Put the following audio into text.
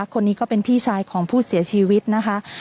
คนนี้ก็เป็นพี่ชายของผู้เสียชีวิตนะคะ